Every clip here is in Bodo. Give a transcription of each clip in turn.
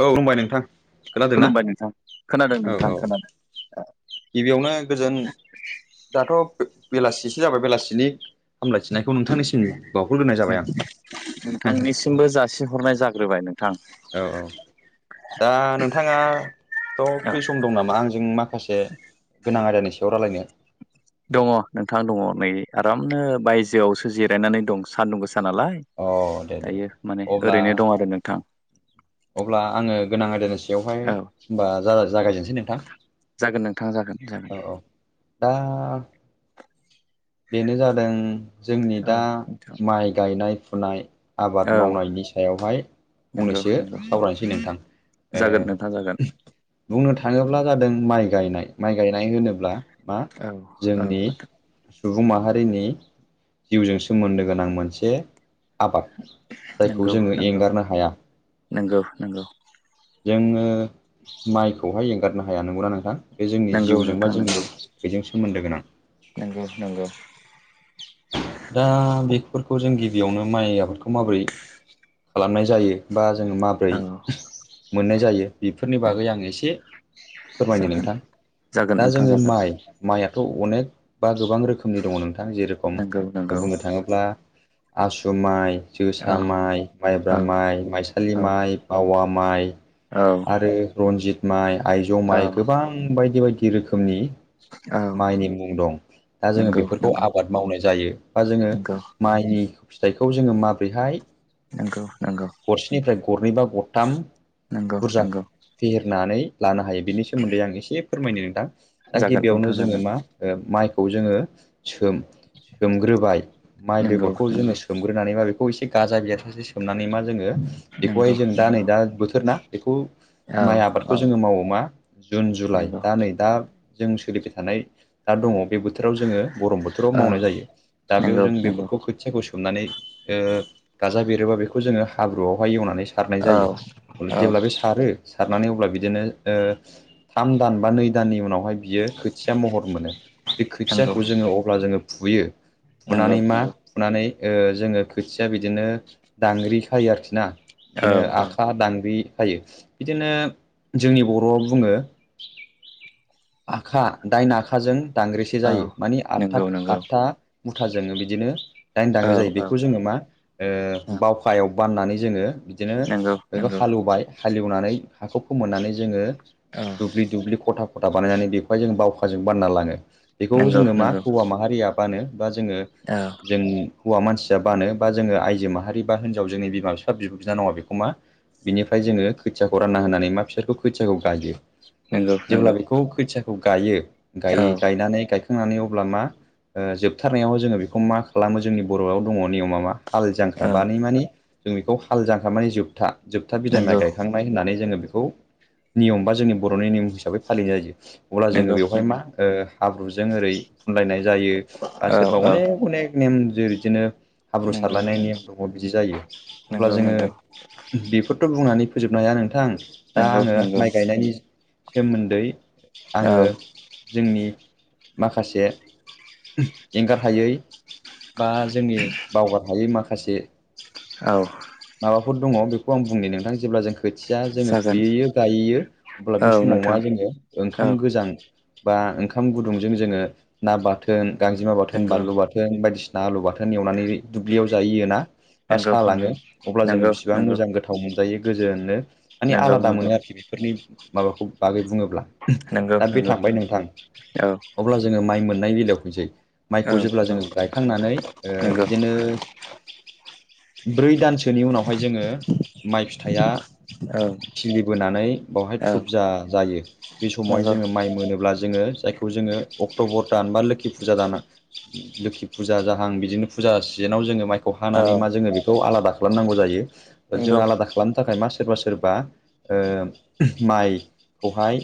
औ रुमबाय नोंथां खोनादोंना? खुलुमबाय नोंथां खोनादों औ नोंथां औ खोनादों गिबियावनो गोजोन दाथ' बेलासिसो जाबाय बेलासिनि हामलायथिनायखौ नोंथांनिसिम बावहरग्रोनाय जाबाय [unintelligible] आं नोंथांनिसिमबो जासिहरनाय जाग्रोबाय। नोंथां औ औ। दा नोंथाङा थ' फ्रि सम' दं नामा? आंजों माखा- माखासे गोनां आयदानि सायाव रायलायनो? दङ नोंथां दङ नै आरामनो बायजोआवसो जिरायनानै दं सान्दुं गोसा- नालाय अ दे दे दायो माने अब्ला ओरै'नो दं आरो नोंथां। अब्ला आङो गोनां आयदानि सायावहाय औ होमबा जा-जागाय जेननोसै नोंथां। जागोन नोंथां जागोन जागोन। औ औ दा बेनो जादों जोंनि औ दा नोंथां माइ गायनाय-फुनाय। आबाद औ मावनायनि सायावहाय नंगौ फंनैसो नंगौ सावरायनोसै नोंथां । जागोन नोंथां जागोन। बुंनो थाङोब्ला जादों माइ गायनाय माइ गायनाय होनोब्ला मा औ औ जोंनि माथो सुबुं माहारिनि जिउजों सोमोन्दो गोनां मोनसे आबाद जायखौ नंगौ जोङो नंगौ एंगारनो हाया। नंगौ नंगौ। जोङो माइखौहाय एंगारनो हाया नंगौना नोंथां? बे जोंनि नंगौ जिउजों बा नोंथां जोंनि नंगौ बेजों सोमोन्दो गोनां । नंगौ नंगौ दा बेफोरखौ जों गिबियावनो माइ आबादखौ माबोरै खालामनाय जायो बा जोङो माबोरै औ मोननाय जायो बेफोरनि बागै आं एसे फोरमायनो जागोन। नोंथां जागोन दा नोंथां जोङो जागोन माइ माइआथ' अनेक बा गोबां रोखोमनि दङ नों- खम नंगौ नंगौ बुंनो थाङोब्ला आसु माइ औ जोसा माइ, माइब्रा औ माइ, माइसालि औ माइ, बावा माइ, औ आरो रनजित माइ, आइज' औ माइ गोबां बायदि बाय- दि रोखोमनि औ माइनि मुं दं। दा जोङो नंगौ बेफोरखौ नंगौ आबाद जायो बा जोङो नंगौ माइनि फिथाइखौ जोङो माब्रैहाय नंगौ । गरसेनिफ्राय गरनै बा गरथाम नंगौ बुरजा नंगौ फेहेरनानै लानो हायो बिनि सोमोन्दै आं एसे फोरमायनो नोंथां। दा जागोन नोंथां गिबियावनो जागोन जोङो मा माइखौ जोङो सोम सोमग्रोबाय माइ नंगौ बेगरखौ नंगौ जोङो सोमग्रोनानै मा बे बेखौ इसे गाजा बेरजासे सोमनानै मा जोङो नंगौ बेखौहाय जों दा नै नंगौ दा बोथोर ना बेखौ औ माइ औ आबादखौ जोङो मावो मा जुन जुलाइ नंगौ दा नै दा जों सोलिबाय थानाय दा दङ बे बोथोराव जोङो गरम बोथोराव औ मावनाय जायो। दा बेयाव नंगौ जों नंगौ बेरखौ खोथियाखौ सोमनानै ओ गाजा बेरोबा बे जोङो हाब्रुआवहाय एवनानै सारनाय औ जायो औ जेब्ला बे सारो सारनानै अब्ला बिदिनो ओ थाम दान बा नै दाननि उनाव हाय बियो खोथिया महर मोनो बे नंगौ खोथियाखौ जोङो अब्ला जोङो फुयो नंगौ फुनानै मा नंगौ फुनानै ओ जोङो खोथिया बिदिनो दांग्रि खायो आरोखि ना। औ बिदिनो औ आखा दांग्रि हायो बिदिनो जोंनि बर'आव बुङो आखा दाइन आखाजों दांग्रेसे औ जायो मानि आतथा नंगौ नंगौ आठथा मुथाजोंङो बिदिनो दाइन औ दांग्रि जायो औ बेखौ जोंङो मा ओ औ बावखायाव बाननानै जोङो बिदिनो नंगौ बेखौ नंगौ हालेवबाय हालेवनानै हाखौ फोमोननानै जोंङो औ दुब्लि दुब्लि खथा खथा बानायनानै बेखौहाय जों बावखाजों बानना लांङो बेखौ नंगौ जोंङो मा नंगौ हौवा माहारिया बानो बा जोंङो औ जों हौवा मानसि बानो बा जोंङो आइजो माहारि बा हिनजाव जोंनि बिमा बिफा बिब' बिनानाव बेखौ मा बिनिफ्राय जोंङो खोथियाखौ रानना होनानै मा फिसोरखौ खोथियाखौ गायो। नोंगौ जेब्ला नोंगौ बेखौ खोथियाखौ गायो गाय गायनानै गाय खांनानै अब्ला मा ओ जोबथारनायाव जोंङो बेखौ मा खालामो जोंनि बर'आव दंङ नियमा मा हाल जांख्रा बानै माने जों बेखौ हाल जांख्रा माने जोबथा जोबथा बिदाय नंगौ माइ गायखांनाय होननानै जोंङो खौ नियम बा जोंनि बर'नि नियम हिसाबै फालिनाय जायो अब्ला जोंङो नंगौ बेवहाय नंगौ मा ओ हाब्रुजों ओरै फुनलायनाय जायो बा औ सोरबा औ अनेक अनेक नेम जेरै बिदिनो हाब्रु नंगौ नंगौ सारलायनाय नेम दंङ बिदि जायो अब्ला नंगौ जोंङो बेफोरथ' बुंनानै फोजोब हाया नोंथां दा नंगौ नंगौ आंङो नंगौ माइ गायनायनि सोमोन्दै आंङो औ जोंनि माखासे एंगार हायै बा जोंनि बावगार हायै माखासे औ माबाफोर दंङ बेखौ आं बुंनि नोंथां जेब्ला जों खोथिया जोंङो जागोन फुंहैयो गायैयो अब्ला औ बे समाव मा नोंथां जोंङो औ ओंखाम गोजां बा ओंखाम गुदुंजों जोंङो ना बाथोन गांजेमा बाथोन नंगौ बानलु बाथोन बायदिसिना ना आलु बाथोन एवनानै दुब्लियाव जायो ना नोंगौ नोंगौ अब्ला जोंङो बिसिबां मोजां गोथाव मोनजायो गोजोनो माने आलादा नंगौ मोनो आरोखि बेफोरनि माबाखौ बागै बुंङोब्ला नंगौ नंगौ दा बे नंगौ थांबाय नोंथां औ अब्ला जोंङो माइ मोन नाय बेलायाव फैसै औ माइखौ जेब्ला औ जोंङो गायखांनानै ओ नंगौ बिदिनो ब्रै दानसोनि उनावहाय जोंङो माइ फिथाइया औ खिलिबोनानै बावहाय औ थुबजा जायो बे समावहाय नंगौ जोंङो माइ मोनोब्ला जोंङो जायखौ जोंङो अक्टबर दान बा लोखि फुजा दान लोखि फुजा जाहां बिदिनो फुजा सि जेनाव जोंङो मायखौ औ हानानै मा जोंङो बेखौ आलादा खालामनांगौ जायो जों नंगौ आलादा खालामनो थाखाय मा सोरबा सोरबा ओ माइखौहाय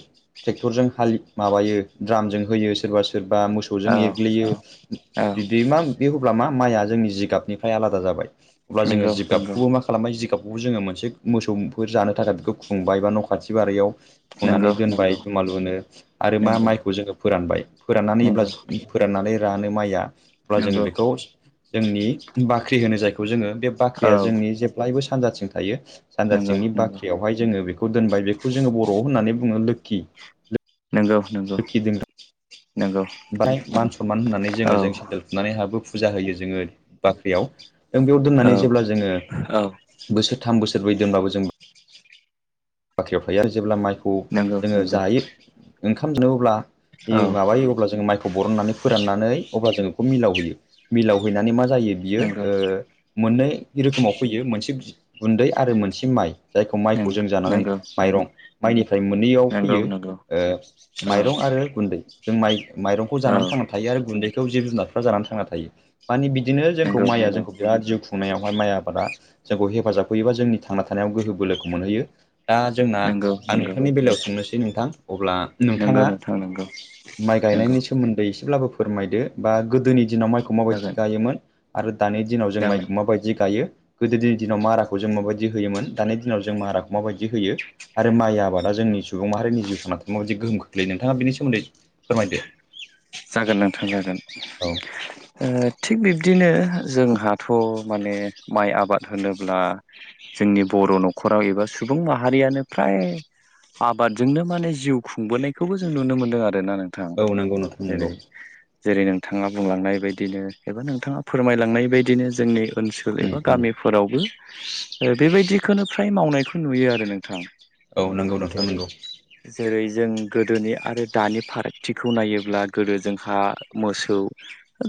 ट्रेक्टरजों हालि माबायो द्रामजों होयो सोरबा सोरबा बा मोसौजों औ औ एरग्लियो औ बिब्दि मा बे अब्ला मा माइआ जोंनि जिगाबनिफ्राय आलादा जाबाय अब्ला जोंङो नंगौ नंगौ जिगाबखौबो मा खालामबाय जिगाबखौ खौबो जोंङो मोनसे मोसौफोर जानो थाखाय बेखौ खुंबाय बा न खाथि बारियाव खुंनानै नंगौ नंगौ नंगौ दोनबाय दुमालु नो आरो मा नंगौ माइखौ जोंङो फोरानबाय फोराननानै अब्ला फोराननानै रानो माइआ अब्ला जोंङो बेखौ जोंनि बाख्रि होनो जायखौ जोंङो बे औ बाख्रिया जोंनि जेब्लायबो सा सानजाथिं थायो नंगौ सानजाथिंनि नंगौ बाख्रियावहाय जोंङो बे खौ दोनबाय बेखौ जोंङो बरआव होननानै बुंङो लोखि नंगौ नंगौ लोखि दोनग्रा नंगौ ओमफ्राय मान सनमान होननानै औ जोंङो जों सेन्देल खुनानै हाबो फुजा होयो जोंङो बाख्रियाव जों बेयाव दोननानै जेब्ला जोंङो बोसोर थाम बोसोरब्रै दोनबाबो जों बाख्रियाव थायो आरो जेब्ला माइखौ नंगौ जोंङो नंगौ जायो ओंखाम जानो अब्ला औ माबायो अब्ला जोंङो माइखौ बरननानै फोराननानै अब्ला जों इखौ मिलाव हैयो मिलाव हैनानै मा जायो बियो नंगौ नंगौ ओ मोननै रोखोमाव फैयो मोनसे गुन्दै आरो मोनसे माइ जायखौ माइखौ जों जानानै नंगौ माइरं माइनिफ्राय मोनैयाव फैयो नंगौ ओ नंगौ औ माइरं आरो गुन्दै जों माइ माइरंखौ जानानै औ थांना थायो आरो गुन्दैखौ जिब जुनारफ्रा जानानै थांना थायो माने बिदि बिदिनो जोंखौ नंगौ माइआ जोंखौ बिराद [unintelligible] खुंनायावहाय माइ आबादा जोंखौ हेफाजाब होयोबा जोंनि थांना थानायाव गोहो बोलोखौ मोनहैयो। दा जोंना नंगौ आं नंगौ नोंथांनि बेलायाव सोंनोसै नोंथां अब्ला नंगौ नोंथाङा नोंथां नंगौ माइ नंगौ गायनायनि सोमोन्दै एसेब्लाबो फोरमायदो बा गोदोनि दिनाव माइखौ माबायदि जागोन गायोमोन गोदो दानि दिनाव जों जागोन माइखौ माबायदि गायो गोदोनि दिनाव माराखौ जों माबायदि होयोमोन दानि दिनाव जों माराखौ नंगौ माबायदि बिदि होयो नंगौ आरो माइ आबादा नंगौ जोंनि सुबुं माहारिनि जिउ थांना थानायाव जि गोहोम खोख्लैयो नोंथाङा बेनि सोमोन्दै फोरमायदो जागोन नोंथां जागोन औ थिग बिब्दिनो जोंहाथ माने माइ आबाद होनोब्ला जोंनि बर नखराव एबा सुबुं माहारियानो फ्राय आबादजोंनो माने जिउ खुंबोनायखौबो जों नुनो मोनदों आरो आरोना नोंथां औ नंगौ नोंथां नंगौ जेरै जेरै नों थाङा बुंलांनाय बायदिनो एबा नोंथाङा फोरमायलांनाय बायदिनो जोंनि ओनसोल उम एबा उम गामिफोरावबो बेबायदिखौनो फ्राय मावनायखौ नुयो आरो नोंथां। औ नंगौ नोंथां जेरै नंगौ जेरै जों गोदोनि आरो दानि फारागथिखौ नायोब्ला गोदो जोंहा मोसौ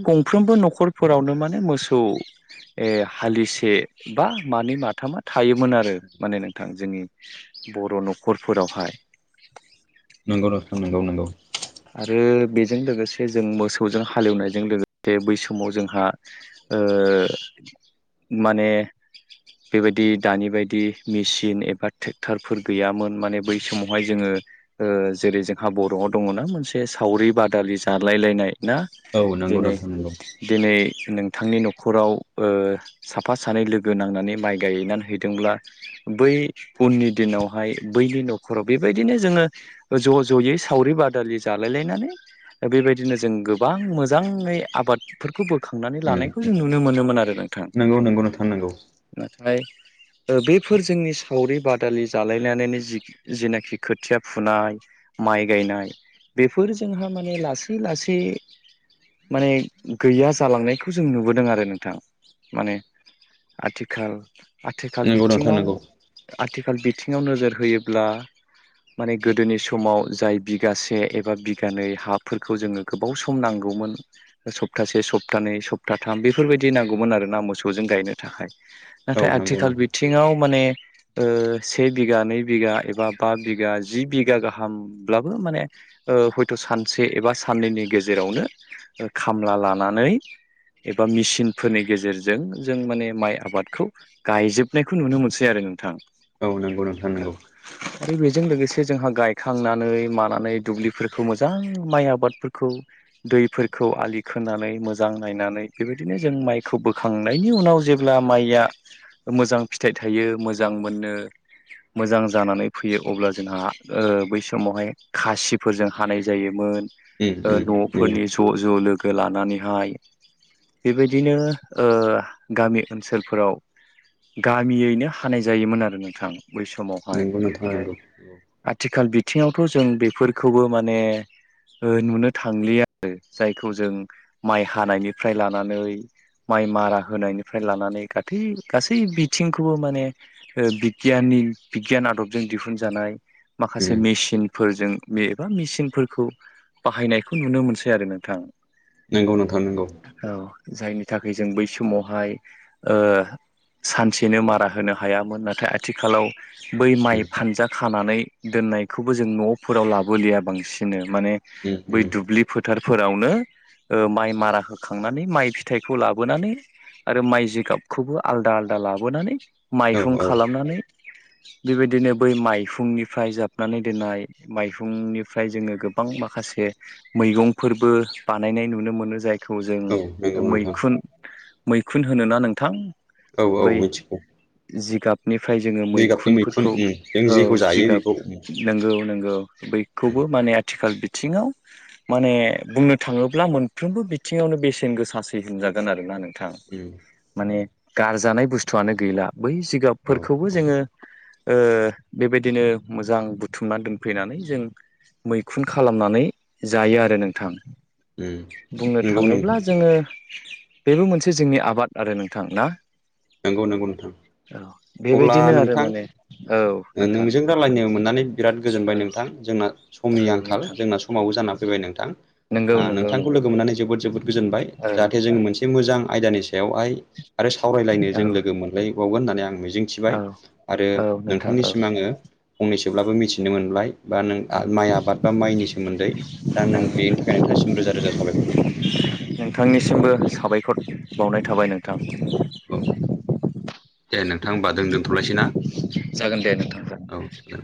गंफ्रोमबो न'खरफोरावनो माने मोसौ ए हालिसे बा मानै माथामा थायोमोन आरो माने नोंथां जोंनि बर' न'खरफोरावहाय। नंगौ नोंथां नंगौ नंगौ जों लोगोसे जों मोसौजों हालेवनायजों लोगोसे बै समाव जोंहा ओ माने बेबायदि दानि बायदि मेसिन एबा ट्रेक्टरफोर गैयामोन माने बै समावहाय जोङो जेरै जोंहा बर'आव दङना मोनसे सावरि बा दालि जालाय लायनाय ना। औ नंगौ दिनै नोंथां नंगौ दिनै नों थांनि न'खराव साफा सानै लोगो नांनानै माइ गायनानै हैदोंब्ला बै उननि दिनावहाय बैनि न'खराव बेबायदिनो जोङो ज' ज'यै सावरि बादालि जालाय लायनानै बेबायदिनो जों गोबां मोजाङै आबादफोरखौ बो खांनानै उम लानायखौ जों नुनो मोनोमोन आरो नोंथां। नंगौ नंगौ नोंथां नंगौ नाथाय ओ बेफोर जोंनि सावरि बादालि जालायनानै जि जेनाखि खोथिया फुनाय माइ गायनाय, बेफोर जोंहा माने लासै लासै माने गैया जालांनायखौ जों नुबोदों आरो नोंथां। माने आथिखाल आथिखाल नंगौ नोंथां बिथिङाव नंगौ आथिखाल बि थिङाव नोजोर होयोब्ला माने गोदोनि समाव जाय बिगासे एबा बिगानै हा फोरखौ जोङो गोबाव सम नांगौमोन सप्तासे सप्तानै सप्ताथाम बेफोरबायदि नांगौमोन आरो आरोना मोसौजों गायनो थाखाय नाथाय औ नंगौ आथिखाल नोंथां बिथिङाव माने ओ से बिघा, नै बिघा, एबा बा बिघा, जि बिगा गाहामब्लाबो माने ओ हयथ' सानसे एबा साननैनि गेजेरावनो खामला लानानै एबा मेचिनफोरनि गेजेरजों जों माने माइ आबादखौ गायजोबनायखौ नुनो मोनसै आरो नोंथां। औ नंगौ नोंथां नंगौ आरो बेजों लोगोसे जोंहा गायखांनानै मानानै दुब्लिफोरखौ मोजां माइ आबादफोरखौ दैफोरखौ आलि खोनानै मोजां नायनानै बेबायदिनो जों माइखौ बोखांनायनि उनाव जेब्ला माइया मोजां फिथाइ थायो मोजां मोनो मोजां जानानै फैयो अब्ला जोंहा ओ बै समावहाय खासिफोरजों हानाय जायो‌। उम उम नोंगौ [unintelligible] ज' ज' लोगो लानानैहाय बेबायदिनो ओ-गामि ओनसोलफोराव गामियैनो हानाय जायोमोन आरो नोंथां बै समावहाय‌। औ नोंथा नोंगौ आथिखाल बिथिङावथ' जों बेफोरखौबो माने ओ नुनो थांलि आरो जायखौ जों माइ हानायनिफ्राय लानानै माइ मारा होनायनिफ्राय लानानै गाथै गासै बिथिंखौबो माने ओ बिगियान नि बिगियान आदबजों दिहुनजानाय। माखासे उम मेचिनफोरजों बेबा मेचिनफोरखौ बाहायनायखौ नुनो मोनसै आरो नोंथां। नोंगौ नोंथां नोंगौ औ जायनि थाखाय जों बै समावहाय ओ सानसेनो मारा होनो हायामोन नाथाय आथिखालाव बै माइ फानजा खानानै दोन न्नाय खौबो न'फोराव लाबोलिया बांसिन्नो माने उम उम दुब्लिफो थारफोरावनो ओ--माइ मारा होखांनानै माइ फिथाइखौ लाबोनानै- आरो माइ जिगाबखौबो आलदा आलदा लाबोनानै औ माइहुं औ खालामनानै [inaudible] बेबायदिनो बै माइफुंनिफ्राय जाबनानै दोननाय माइफुंनिफ्राय जोङो गो गोबां माखासे मैगंफोरबो बानायनाय नुनो मोनो जाय खौ औ जों- नंगौ नोंथां मैखुन मैखुन होनोना नोंथां? औ बै औ मिथिगौ। जिगाबनिफ्राय जोङो जिगाबनि मैखुन मैखुनफोरखौ उम जों औ जेखौ जायो जिगाब बेखौ उम नंगौ नंगौ उम बैखौबो माने- आथिखाल बिथिङाव माने बुंनो थाङोब्ला मोनफ्रोमबो बिथिङावनो बेसेन गोसासै होनजागोन आरोना नों थां उम माने गारजानाय बुस्थुआनो गैला बै औ जिगाबफोरखौबो औ जोङो ओ--बेबायदिनो मोजां बुथुमनानै दोनफैनानै जों मैखुन खालामनानै जायो आरो नोंथां। उम बुंनो नंगौ थाङोब्ला नोंथां जोङो बेबो मोनसे जोंनि आबाद आरो नोंथां ना? नंगौ नंगौ नोंथां औ अब्ला बेबायदिनो आरो नोंथां माने औ नोंथां नोंजों रायलायनो मोननानै बिराद औ गोजोनबाय नोंथां जोंना औ समनि आंखाल नोंथां जोंना समावबो जाना फैबाय नोंथां। नंगौ नंगौ ओ-नोंथांखौ नंगौ लोगो मोननानै जोबोद जोबोद गोजोनबाय औ जाहाथे जोंङ मोनसे मोजां। आयदानि सायावहाय आरो सावरायलायनो। औ जों लोगो मोनलायबावगोन होननानै आं औ मिजिंथिबाय आरो औ नोंथां औ नोंथांनिसिम आङो फंनै जेवब्लाबो मिथिनो मोनबाय। बा नों औ माइ आबाद बा माइनि सोमोन्दै दा नों औ बेनि थाखाय नोंथांनिसिम रोजा रोजा साबायखर नोंथां। [inaudible] नोंथांनिसिमबो साबाय बावनाय थाबाय नोंथां। औ दे नोंथां होनबा जों दोनथलायसै ना? दथ औ जागोन